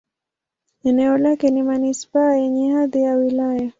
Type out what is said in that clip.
Eneo lake ni manisipaa yenye hadhi ya wilaya.